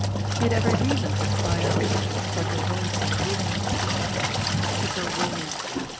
He had every reason to cry out— like a voice in a wilderness of bricks— for thicker walls.